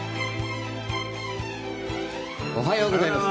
おはようございます。